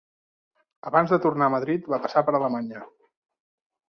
Abans de tornar a Madrid, va passar per Alemanya.